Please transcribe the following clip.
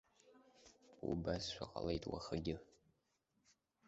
Убасшәа ҟалеит уахагьы.